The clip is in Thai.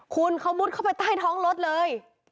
คุณเขามุดเข้าไปใต้ท้องรถเลย